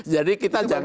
jadi kita jangan